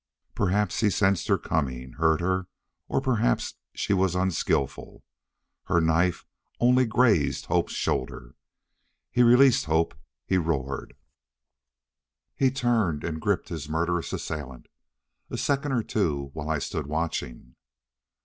Perhaps he sensed her coming, heard her; or perhaps she was unskilful. Her knife only grazed Hope's shoulder. He released Hope. He roared. He turned and gripped his murderous assailant. A second or two while I stood watching.